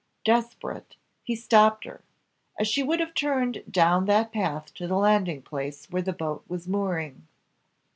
Desperate, he stopped her, as she would have turned down that path to the landing place where the boat was mooring.